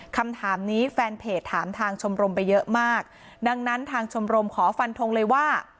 คำถามนี้แฟนเพจถามทางชมรมไปเยอะมากดังนั้นทางชมรมขอฟันทงเลยว่า